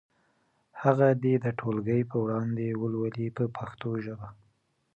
هغه دې د ټولګي په وړاندې ولولي په پښتو ژبه.